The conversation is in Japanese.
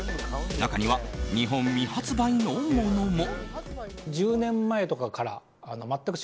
中には日本未発売のものも。